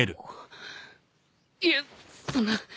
いえそんな。